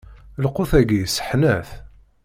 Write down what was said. Lqut-agi isseḥnat.